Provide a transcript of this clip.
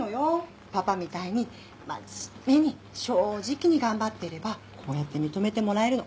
パパみたいに真面目に正直に頑張ってればこうやって認めてもらえるの。